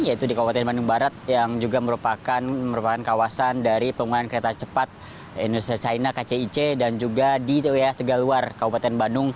yaitu di kabupaten bandung barat yang juga merupakan kawasan dari pembangunan kereta cepat indonesia china kcic dan juga di wilayah tegaluar kabupaten bandung